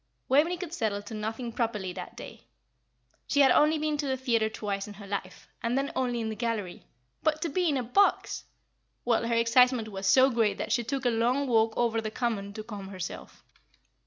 Waveney could settle to nothing properly that day; she had only been to the theatre twice in her life, and then only in the gallery. But to be in a box! well, her excitement was so great that she took a long walk over the Common to calm herself.